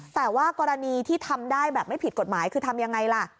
แต่ว่ากรณีที่ทำได้แบบไม่ผิดกฎหมายคือทำยังไงล่ะ